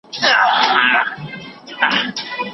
زه غواړم چې خپل وزن کم کړم.